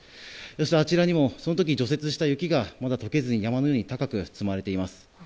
あちらにも、その時に除雪した雪が解けずに山のように高く積まれています。